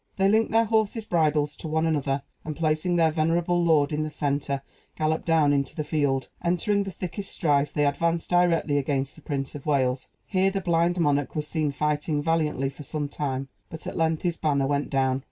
They linked their horses' bridles to one another, and placing their venerable lord in the centre, galloped down into the field. Entering the thickest strife, they advanced directly against the Prince of Wales. Here the blind monarch was seen fighting valiantly for some time; but at length his banner went down.